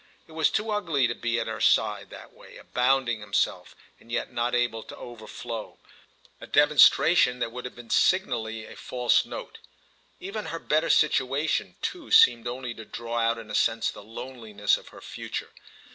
It was too ugly to be at her side that way, abounding himself and yet not able to overflow—a demonstration that would have been signally a false note. Even her better situation too seemed only to draw out in a sense the loneliness of her future.